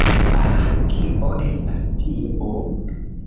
Ah, kio estas tio?